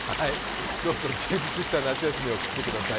どうぞ充実した夏休みを送ってください。